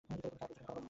তুমি খেলা করছো?